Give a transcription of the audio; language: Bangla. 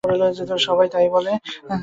সবাই তাই বলে।